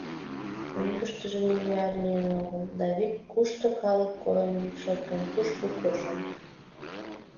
Мӧҥгыштыжӧ нигӧат лийын огыл, да вик, кушто калык койын, йӱк шоктен, тушко куржын.